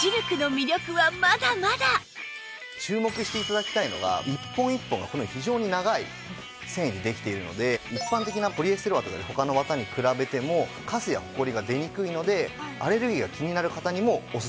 注目して頂きたいのが１本１本が非常に長い繊維でできているので一般的なポリエステルわたや他のわたに比べてもカスやホコリが出にくいのでアレルギーが気になる方にもオススメなんです。